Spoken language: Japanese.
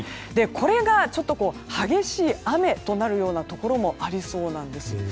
これが激しい雨となるようなところもありそうなんです。